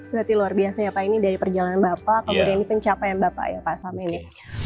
berarti luar biasa ya pak ini dari perjalanan bapak ke berani pencapaian bapak ya pak sameni